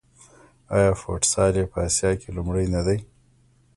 آیا فوټسال یې په اسیا کې لومړی نه دی؟